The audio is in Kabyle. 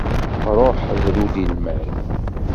Ruḥ bru-d i lmal.